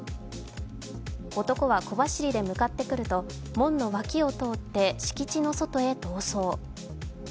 男は小走りで向かってくると、門の脇を通って、敷地の外へ逃走。